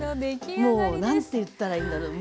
もう何ていったらいいんだろう。